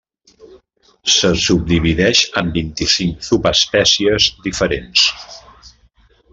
Se subdivideix en vint-i-cinc subespècies diferents.